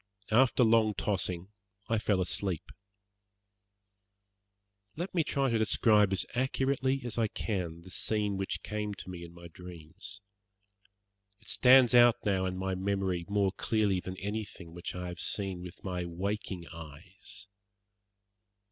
After long tossing I fell asleep. Let me try to describe as accurately as I can the scene which came to me in my dreams. It stands out now in my memory more clearly than anything which I have seen with my waking eyes.